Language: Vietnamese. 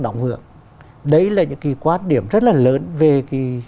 đóng hưởng đấy là những cái quan điểm rất là lớn về cái